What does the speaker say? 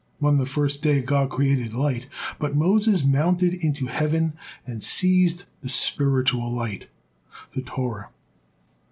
On the first day God created light, but Moses mounted into heaven and seized the spiritual light, the Torah.